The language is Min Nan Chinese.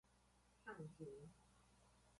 控錢